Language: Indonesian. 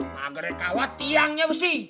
magrekawat tiangnya besi